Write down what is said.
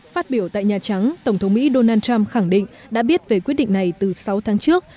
phát biểu tại nhà trắng tổng thống mỹ donald trump khẳng định đã biết về quyết định này từ sáu tháng trước